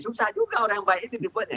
susah juga orang baik ini dibuatnya